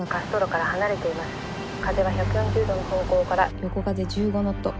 風は１４０度の方向から横風１５ノット。